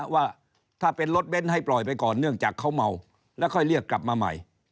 ว่าถ้าเป็นรถเบ้นให้ปล่อยไปก่อนเนื่องจากเขาเมาแล้วค่อยเรียกกลับมาใหม่